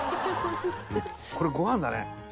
これご飯だね。